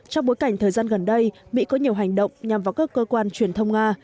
trong bối cảnh thời gian gần đây mỹ có nhiều hành động nhằm vào các cơ quan truyền thông nga